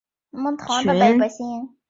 而凤宝钗则为他买来了连衣裙。